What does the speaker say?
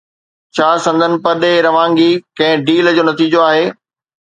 ڇا سندن پرڏيهه روانگي ڪنهن ڊيل جو نتيجو آهي؟